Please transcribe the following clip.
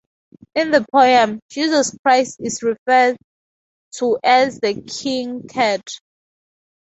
In the poem, Jesus Christ is referred to as the "king cat".